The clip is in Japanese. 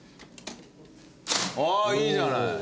ああいいじゃない。